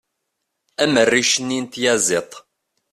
am rric-nni n tyaziḍt